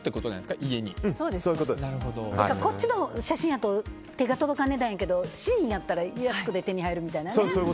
こっちのほうの写真やと手が届かない値段やけどＳＨＥＩＮやったら安く手に入るみたいな。